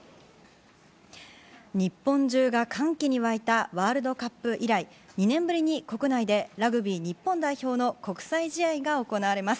日本中が歓喜に沸いたワールドカップ以来、２年ぶりに国内でラグビー日本代表の国際試合が行われます。